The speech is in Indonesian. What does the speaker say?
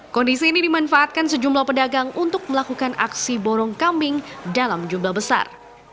kondisi ini dimanfaatkan sejumlah pedagang untuk melakukan aksi borong kambing dalam jumlah besar